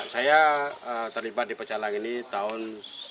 saya terlibat di pecalang ini tahun seribu sembilan ratus sembilan puluh